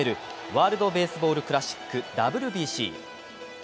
ワールドベースボールクラシックＷＢＣ。